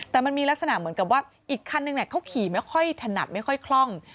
แต่มันมีลักษณะเหมือนกับว่าอีกคันนึงเขาขี่ไม่ค่อยถนัดไม่ค่อยคล่อง